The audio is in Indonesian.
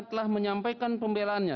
telah menyampaikan pembelaannya